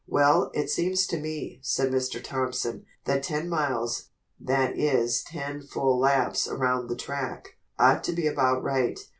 "Well, it seems to me," said Mr. Thompson, "that ten miles, that is ten full laps around the track, ought to be about right.